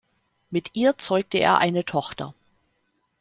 Mit ihr zeugte er eine Tochter.